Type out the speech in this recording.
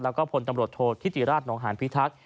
แล้วก็พลตำรวจโทษธิติราชนองหานพิทักษ์